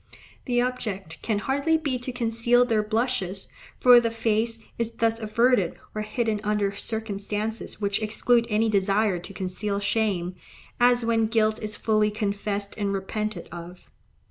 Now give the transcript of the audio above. The object can hardly be to conceal their blushes, for the face is thus averted or hidden under circumstances which exclude any desire to conceal shame, as when guilt is fully confessed and repented of.